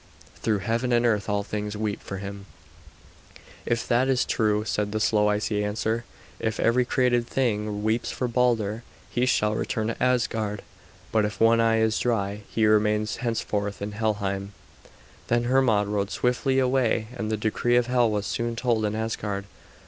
Through heaven and earth all things weep for him." "If that is true," was the slow, icy answer, "if every created thing weeps for Balder, he shall return to Asgard; but if one eye is dry he remains henceforth in Helheim." Then Hermod rode swiftly away, and the decree of Hel was soon told in Asgard.